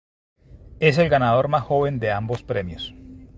Es el ganador más joven de ambos premios.